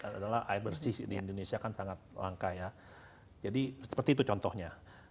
adalah air bersih di indonesia kan sangat langka ya jadi seperti itu contohnya